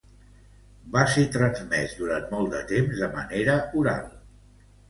Va ser transmés durant molt de temps de manera oral.